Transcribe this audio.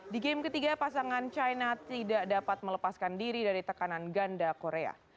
di game ketiga pasangan china tidak dapat melepaskan diri dari tekanan ganda korea